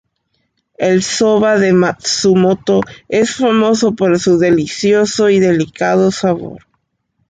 El soba de Matsumoto es famoso por su delicioso y delicado sabor.